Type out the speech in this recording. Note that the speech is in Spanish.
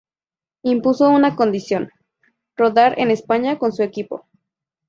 Impuso una condición: rodar en España con su equipo.